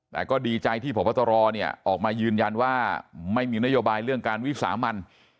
แต่ก็ดีใจที่พบตรเนี่ยออกมายืนยันว่าไม่มีนโยบายเรื่องการวิสามัน